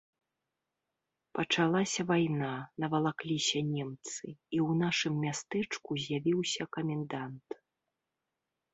Пачалася вайна, навалакліся немцы, і ў нашым мястэчку з'явіўся камендант.